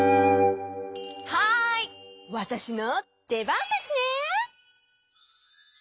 はいわたしのでばんですね！